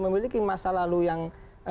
memiliki masa lalu yang